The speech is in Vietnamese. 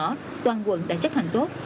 do đó toàn quận đã chấp hành tốt